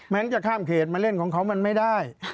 มันจะข้ามเขตมาเล่นของเขามันไม่ได้